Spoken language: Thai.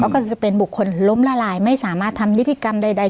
ก็จะเป็นบุคคลล้มละลายไม่สามารถทำนิติกรรมใด